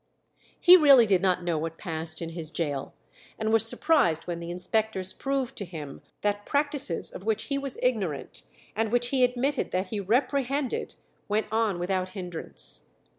He really did not know what passed in his gaol, and was surprised when the inspectors proved to him that practices of which he was ignorant, and which he admitted that he reprehended, went on without hindrance.